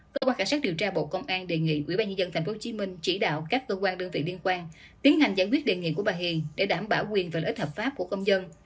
cơ quan cảnh sát điều tra bộ công an đề nghị quỹ ban nhân dân tp hcm chỉ đạo các cơ quan đơn vị liên quan tiến hành giải quyết đề nghị của bà hiền để đảm bảo quyền và lợi ích hợp pháp của công dân